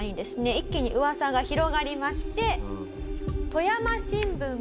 一気にうわさが広がりまして。